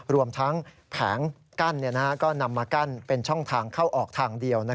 รวมทั้งแผงกั้นก็นำมากั้นเป็นช่องทางเข้าออกทางเดียว